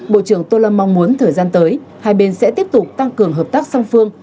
bộ trưởng tô lâm mong muốn thời gian tới hai bên sẽ tiếp tục tăng cường hợp tác song phương